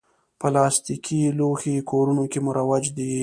پلاستيکي لوښي کورونو کې مروج دي.